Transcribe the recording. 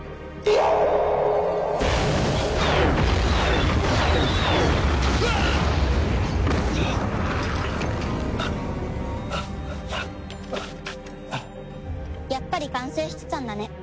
やっぱり完成してたんだね。